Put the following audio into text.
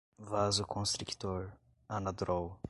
vasoconstrictor, anadrol